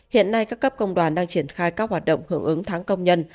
hiện nay các cấp công đoàn đang triển khai các hoạt động hưởng ứng tháng công nhân